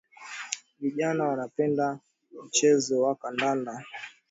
Vijana wanapenda mchezo wa kandanda